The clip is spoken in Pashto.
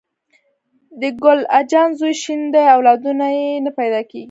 د ګل اجان زوی شنډ دې اولادونه یي نه پیداکیږي